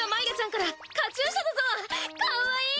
かわいい！